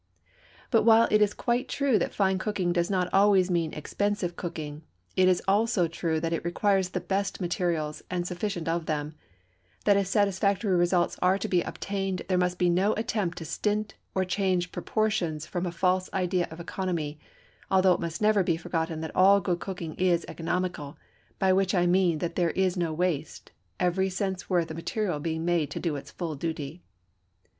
But while it is quite true that fine cooking does not always mean expensive cooking, it is also true that it requires the best materials and sufficient of them; that if satisfactory results are to be obtained there must be no attempt to stint or change proportions from a false idea of economy, although it must never be forgotten that all good cooking is economical, by which I mean that there is no waste, every cent's worth of material being made to do its full duty.